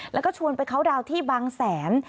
แล้วก็ชวนไปเคาน์ดาวน์ที่บางแสน